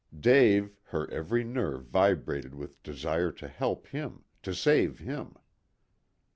Dave her every nerve vibrated with desire to help him, to save him.